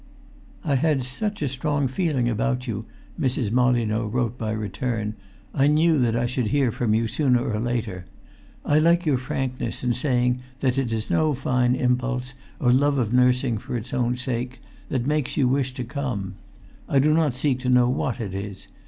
"I had such a strong feeling about you," Mrs. Molyneux wrote by return. "I knew that I should hear from you sooner or later ... I like your frankness in saying that it is no fine impulse, or love[Pg 350] of nursing for its own sake, that makes you wish to come. I do not seek to know what it is.